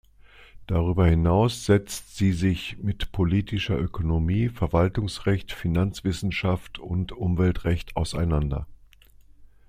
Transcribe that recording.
Darüber hinaus setzt sie sich mit Politischer Ökonomie, Verwaltungsrecht, Finanzwissenschaft und Umweltrecht auseinander.